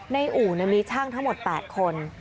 อู่มีช่างทั้งหมด๘คน